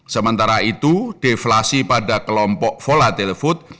sementara itu deflasi pada kelompok volatile food